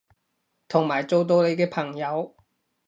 同埋做到你嘅朋友